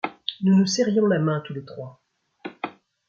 Nous nous serrions la main tous les trois !